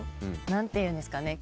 何ていうんですかね。